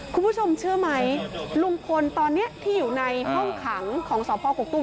คุณผู้ชมเชื่อไหมลุงพลตอนนี้ที่อยู่ในห้องขังของสพกกตุ้